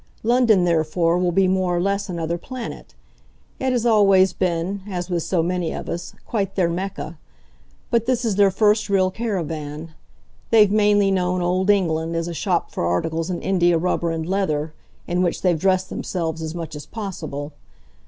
London therefore will be more or less another planet. It has always been, as with so many of us, quite their Mecca, but this is their first real caravan; they've mainly known 'old England' as a shop for articles in india rubber and leather, in which they've dressed themselves as much as possible.